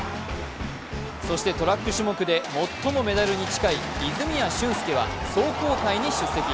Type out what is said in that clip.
そして、トラック種目で最もメダルに近い泉谷駿介は壮行会に出席。